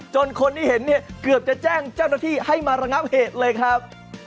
คนที่เห็นเนี่ยเกือบจะแจ้งเจ้าหน้าที่ให้มาระงับเหตุเลยครับ